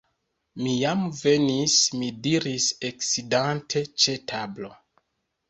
Mi jam venis! mi diris, eksidante ĉe tablo.